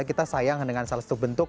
kita sayang dengan salah satu bentuk